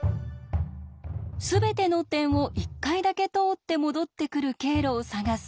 すべての点を１回だけ通って戻ってくる経路を探す